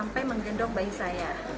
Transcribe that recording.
sampai menggendong bayi saya